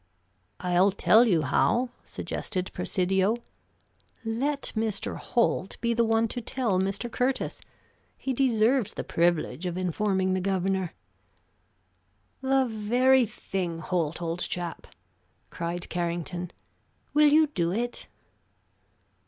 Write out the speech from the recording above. "I'll tell you how," suggested Presidio. "Let Mr. Holt be the one to tell Mr. Curtis. He deserves the privilege of informing the governor." "The very thing, Holt, old chap!" cried Carrington. "Will you do it?"